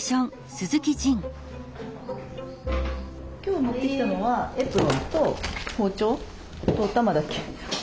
今日持ってきたのはエプロンと包丁とおたまだけ。